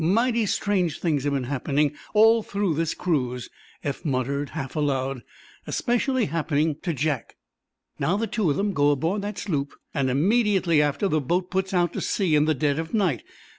"Mighty strange things have been happening all through this cruise," Eph muttered, half aloud. "Especially happening to Jack! Now, the two of them go aboard that sloop, and immediately after the boat puts out to sea in the dead of night.